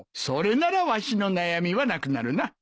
それならわしの悩みはなくなるな。